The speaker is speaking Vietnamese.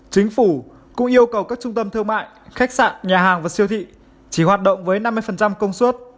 chính phủ cũng yêu cầu các trung tâm thương mại khách sạn nhà hàng và siêu thị chỉ hoạt động với năm mươi công suất